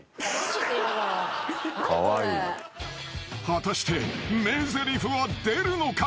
［果たして名ぜりふは出るのか？］